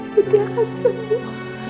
putih akan sembuh